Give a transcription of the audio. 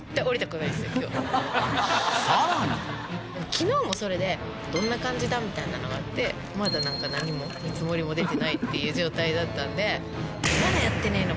昨日もそれでどんな感じ？みたいなのあってまだ何も見積もりも出てないっていう状態だったんでまだやってねえのか！